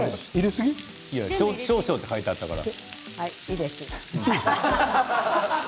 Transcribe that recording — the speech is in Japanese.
少々って書いてあったから。